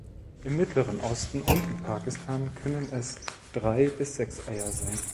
Im Mittleren Osten und in Pakistan können es drei bis sechs Eier sein.